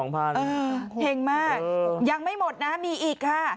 เพลงมากยังไม่หมดนะมีอีกค่ะ